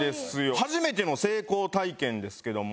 初めての成功体験ですけども。